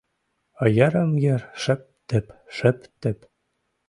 Йырым-йыр шып-тып, шып-тып...